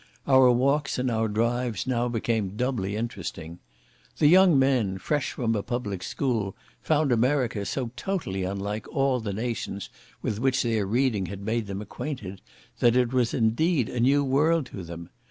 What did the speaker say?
Our walks and our drives now became doubly interesting. The young men, fresh from a public school, found America so totally unlike all the nations with which their reading had made them acquainted, that it was indeed a new world to them.